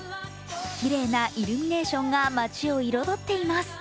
きれいなイルミネーションが街を彩っています。